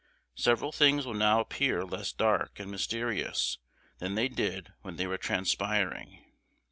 Several things will now appear less dark and mysterious than they did when they were transpiring.